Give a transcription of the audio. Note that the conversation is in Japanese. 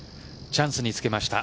チャンスにつけました。